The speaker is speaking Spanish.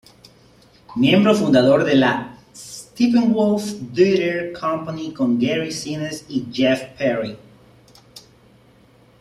Miembro fundador de la Steppenwolf Theatre Company, con Gary Sinise y Jeff Perry.